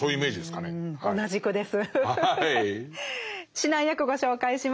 指南役ご紹介します。